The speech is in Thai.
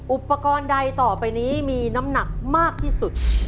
อุปกรณ์ใดต่อไปนี้มีน้ำหนักมากที่สุด